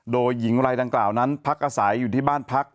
โดยหญิงรายดังกล่าวนั้นพักอาศัยอยู่ที่บ้านพัก